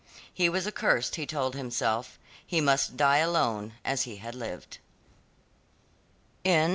He was accursed he told himself. He must die alone, as he had lived.